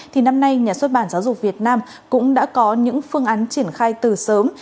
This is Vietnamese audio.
thì năm nay nhà xuất bản giáo dục việt nam cũng đã có những phương án triển khai từ sớm